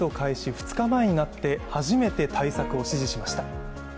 ２日前になって初めて対策を指示しました。